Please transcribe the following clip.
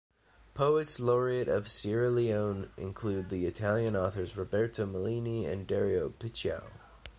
Poets laureate of Sierra Leone include the Italian authors Roberto Malini and Dario Picciau.